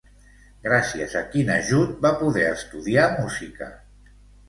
Gràcies a quin ajut va poder estudiar música?